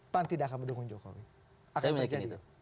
pan tidak akan mendukung jokowi